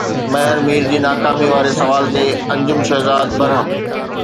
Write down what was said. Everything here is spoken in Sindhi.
مهر مير جي ناڪامي واري سوال تي انجم شهزاد برهم